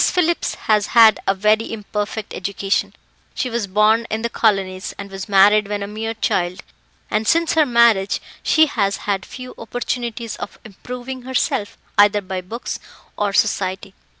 Phillips has had a very imperfect education; she was born in the colonies, and was married when a mere child, and since her marriage she has had few opportunities of improving herself either by books or society.